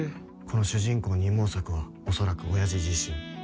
この主人公二毛作はおそらく親父自身。